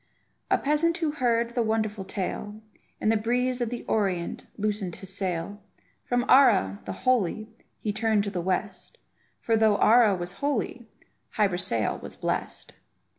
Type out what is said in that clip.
A peasant who heard of the wonderful tale, In the breeze of the Orient loosened his sail; From Ara, the holy, he turned to the west, For though Ara was holy, Hy Brasail was blest.